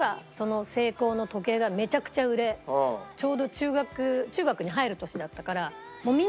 ちょうど中学中学に入る年だったから。